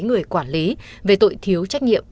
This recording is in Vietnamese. người quản lý về tội thiếu trách nhiệm